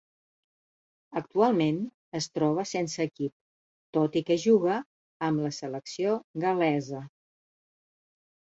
Actualment es troba sense equip, tot i que juga amb la selecció gal·lesa.